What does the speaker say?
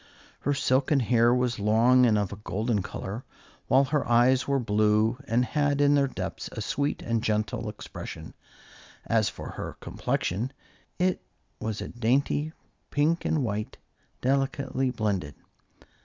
Her silken hair was long and of a golden color, while her eyes were blue, and had in their depths a sweet and gentle expression. As for her complexion, it was a dainty pink and white, delicately blended.